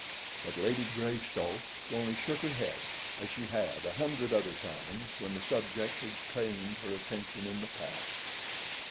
But Lady Greystoke only shook her head as she had a hundred other times when the subject had claimed her attention in the past.